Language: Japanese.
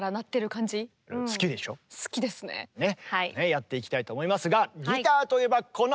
やっていきたいと思いますがギターといえばこのお方！